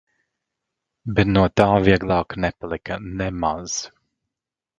Bet no tā vieglāk nepalika nemaz.